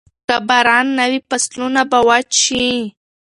که باران نه وي، فصلونه به وچ شي.